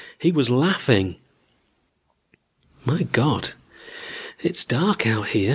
He was laughing ... "My God, it's dark out here.